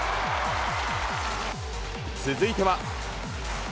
続いては。